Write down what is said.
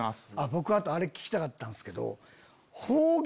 僕あとあれ聞きたかったんすけど。